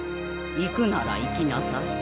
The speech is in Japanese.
行くなら行きなさい。